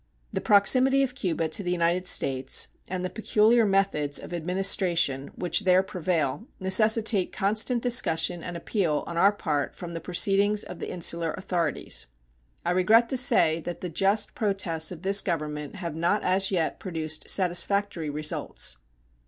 The proximity of Cuba to the United States and the peculiar methods of administration which there prevail necessitate constant discussion and appeal on our part from the proceedings of the insular authorities. I regret to say that the just protests of this Government have not as yet produced satisfactory results.